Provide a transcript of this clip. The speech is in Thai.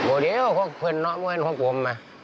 อืม